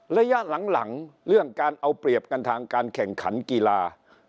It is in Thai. ระยะหลังเรื่องการเอาเปรียบกันทางการแข่งขันกีฬา